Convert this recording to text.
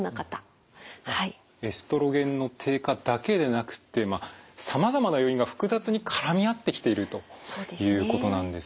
エストロゲンの低下だけでなくてさまざまな要因が複雑に絡み合ってきているということなんですね。